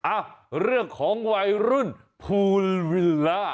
อ่ะเรื่องของวัยรุ่นภูลิลล่า